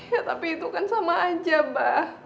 ya tapi itu kan sama aja mbak